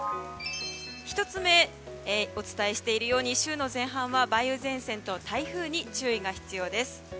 １つ目、お伝えしているように週の前半は梅雨前線と台風に中飛が必要です。